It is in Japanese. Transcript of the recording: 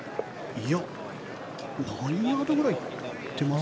何ヤードぐらい行ってますか？